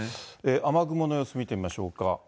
雨雲の様子見てみましょうか。